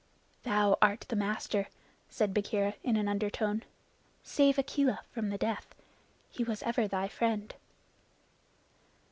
"Thou art the master," said Bagheera in an undertone. "Save Akela from the death. He was ever thy friend."